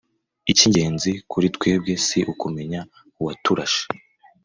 ikingenzi kuri twebwe si ukumenya uwaturashe